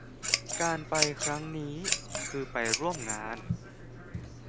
การไปครั้งนี้คือไปร่วมงาน